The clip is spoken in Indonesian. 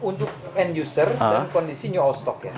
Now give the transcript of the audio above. untuk end user dan kondisi new all stock